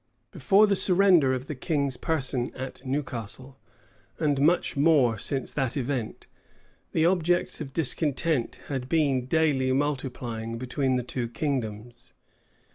Before the surrender of the king's person at Newcastle, and much more since that event, the subjects of discontent had been daily multiplying between the two kingdoms.